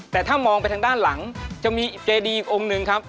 แต่ถ้ามองไปทางด้านหลังจะมีเจดีอีกองค์หนึ่งครับ